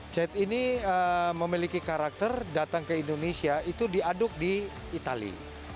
chat ini memiliki karakter datang ke indonesia itu diaduk di itali